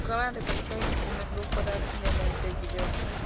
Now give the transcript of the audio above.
Jugaba de defensor y su primer club fue Racing de Montevideo.